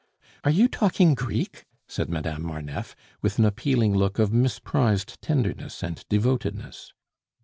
"Are you talking Greek?" said Madame Marneffe, with an appealing look of misprized tenderness and devotedness.